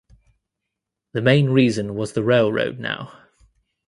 The main reason was the railroad now.